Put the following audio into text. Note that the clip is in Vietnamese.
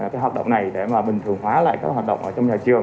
cái hoạt động này để mà bình thường hóa lại các hoạt động ở trong nhà trường